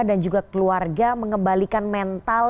dan juga keluarga mengembalikan mental